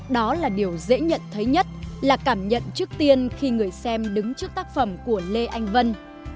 đó là điều dễ nhận thấy nhất là cảm nhận trước tiên khi người xem đứng trước tác phẩm của lê anh vân